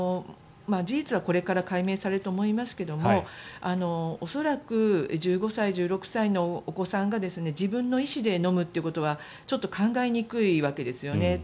事実はこれから解明されると思いますが恐らく１５歳、１６歳のお子さんが自分の意思で飲むということは考えにくいわけですよね。